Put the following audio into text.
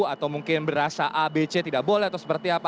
atau mungkin berasa abc tidak boleh atau seperti apa